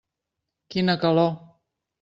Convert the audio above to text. Quina calor.